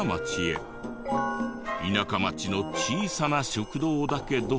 田舎町の小さな食堂だけど。